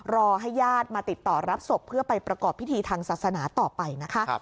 รอให้ญาติมาติดต่อรับศพเพื่อไปประกอบพิธีทางศาสนาต่อไปนะคะ